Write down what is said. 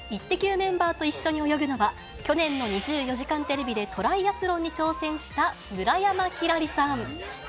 メンバーと一緒に泳ぐのは、去年の２４時間テレビでトライアスロンに挑戦した村山輝星さん。